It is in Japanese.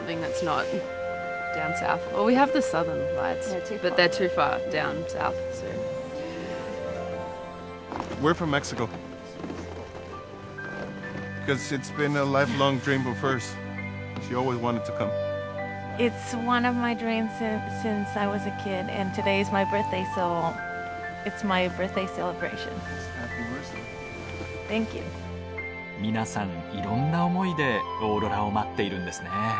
皆さんいろんな思いでオーロラを待っているんですね。